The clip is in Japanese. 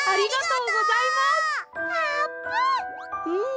うん。